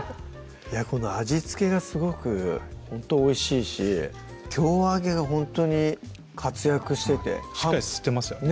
この味付けがすごくほんとおいしいし京揚げがほんとに活躍しててしっかり吸ってますよね